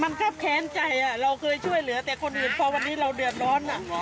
มันครับแค้นใจเราเคยช่วยเหลือแต่คนอื่นพอวันนี้เราเดือดร้อน